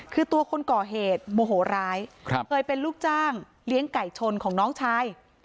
คือตัวคนก่อเหตุโมโหร้ายเคยเป็นลูกจ้างเลี้ยงไก่ชนของน้องชาย